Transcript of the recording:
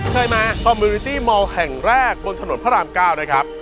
เคยไหมคอมมิวินิตี้มอลแห่งแรกบนถนนพระรามเก้านะครับ